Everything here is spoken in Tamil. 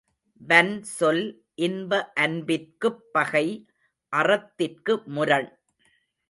வன்சொல் இன்ப அன்பிற்குப் பகை அறத்திற்கு முரண்.